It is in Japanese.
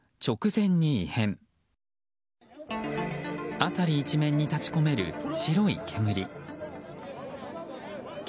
辺り一面に立ち込める白い煙。